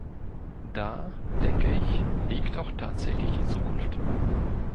Da, denke ich, liegt auch tatsächlich die Zukunft.